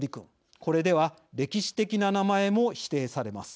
これでは、歴史的な名前も否定されます。